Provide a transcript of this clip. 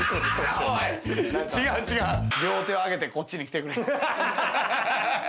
両手を上げて、こっちに来てくれ。